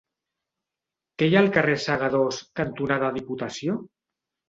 Què hi ha al carrer Segadors cantonada Diputació?